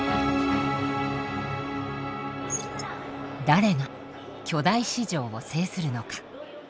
誰が巨大市場を制するのか？